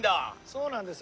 そうなんですよ。